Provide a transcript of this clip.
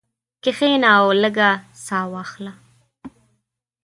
کښېنه او لږه ساه واخله.